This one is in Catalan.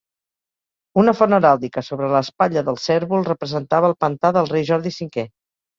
Una font heràldica sobre l'espatlla del cérvol representava el pantà del rei Jordi V.